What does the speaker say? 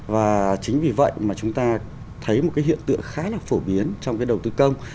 và chính vì vậy mà chúng ta thấy một hiện tượng khá là phổ biến trong đầu tư công